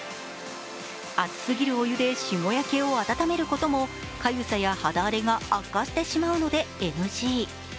熱すぎるお湯でしもやけを温めることもかゆさや肌荒れが悪化してしまうのでＮＧ。